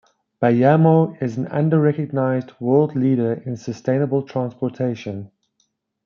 Bayamo is an under-recognized world leader in sustainable transportation.